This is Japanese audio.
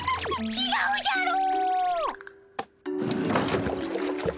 ちがうじゃろー。